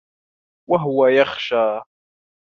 وَهُوَ يَخْشَى